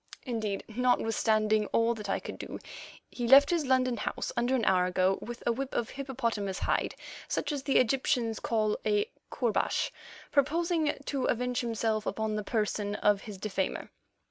Indeed, notwithstanding all that I could do, he left his London house under an hour ago with a whip of hippopotamus hide such as the Egyptians call a koorbash, purposing to avenge himself upon the person of his defamer.